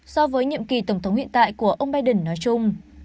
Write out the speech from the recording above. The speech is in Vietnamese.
so với nhiệm kỳ tổng thống hiện tại của ông biden nói chung